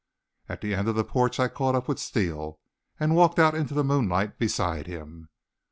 At the end of the porch I caught up with Steele and walked out into the moonlight beside him.